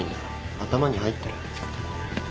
頭に入ってる。